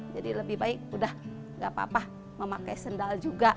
jadi lebih baik sudah tidak apa apa memakai sepatu juga